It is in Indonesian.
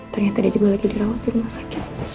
ternyata dia juga lagi dirawat di rumah sakit